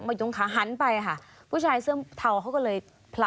มาอยู่ตรงขาหันไปค่ะผู้ชายเสื้อเทาเขาก็เลยพระ